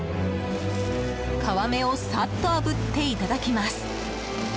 皮目をサッとあぶっていただきます。